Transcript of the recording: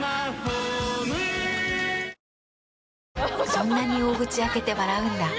そんなに大口開けて笑うんだ。